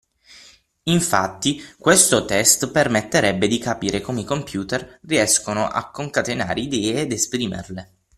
Infatti questo test permetterebbe di capire come i computer riescono a concatenare idee ed esprimerle.